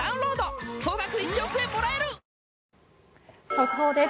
速報です。